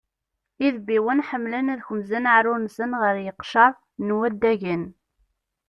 Idebbiwen ḥemmlen ad kemzen aεrur-nsen ɣer yiqcer n waddagen.